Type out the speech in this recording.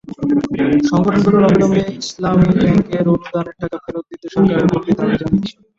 সংগঠনগুলো অবিলম্বে ইসলামী ব্যাংকের অনুদানের টাকা ফেরত দিতে সরকারের প্রতি দাবি জানিয়েছে।